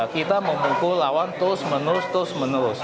kita memukul lawan terus menerus terus menerus